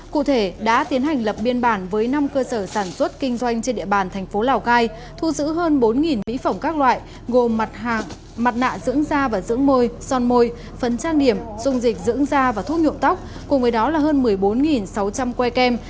cụ thể đã tiến hành lập biên bản với năm cơ sở sản xuất kinh doanh trên địa bàn thành phố lào cai thu giữ hơn bốn mỹ phẩm các loại gồm mặt nạ dưỡng da và dưỡng môi son môi phần trang điểm dung dịch dưỡng da và thuốc nhuộm tóc cùng với đó là hơn một mươi bốn sáu trăm linh que kem